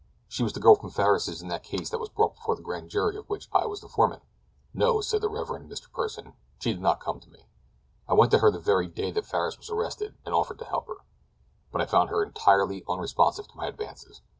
She was the girl from Farris's in that case that was brought before the grand jury of which I was foreman." "No," said the Rev. Mr. Pursen, "she did not come to me. I went to her the very day that Farris was arrested and offered to help her; but I found her entirely unresponsive to my advances.